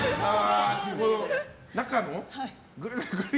中の？